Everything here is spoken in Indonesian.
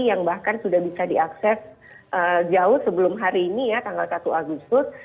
yang bahkan sudah bisa diakses jauh sebelum hari ini ya tanggal satu agustus